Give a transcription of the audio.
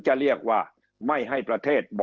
คำอภิปรายของสอสอพักเก้าไกลคนหนึ่ง